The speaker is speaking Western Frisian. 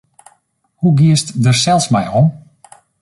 Hoe giest dêr sels mei om?